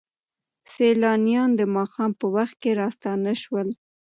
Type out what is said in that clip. سیلانیان د ماښام په وخت کې راستانه شول.